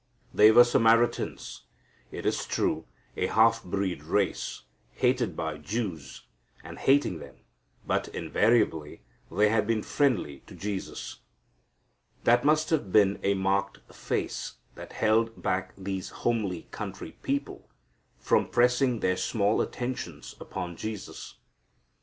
They were Samaritans, it is true, a half breed race, hated by Jews, and hating them, but invariably they had been friendly to Jesus. That must have been a marked face that held back these homely country people from pressing their small attentions upon Jesus.